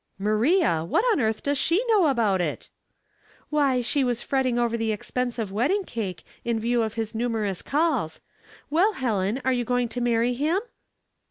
" Maria ! What on earth does she know about it?" " Why, she was fretting over the expense of wedding cake, in view of his numerous calls. Well, Helen, are you going to marry him?"